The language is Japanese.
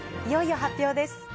いよいよ発表です。